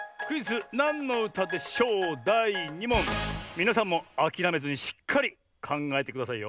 みなさんもあきらめずにしっかりかんがえてくださいよ。